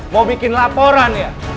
mau bikin laporan ya